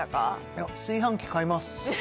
いや炊飯器買います